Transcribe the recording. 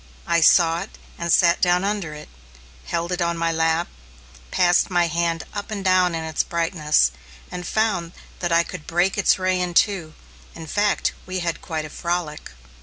I saw it, and sat down under it, held it on my lap, passed my hand up and down in its brightness, and found that I could break its ray in two. In fact, we had quite a frolic.